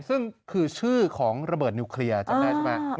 ซึ่งคือชื่อของระเบิดนิวเคลียร์จำได้ใช่ไหม